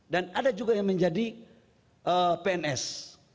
dan ada juga yang menjadi pns